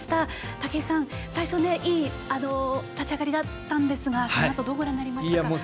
武井さん、最初いい立ち上がりだったんですがどうご覧になりましたか？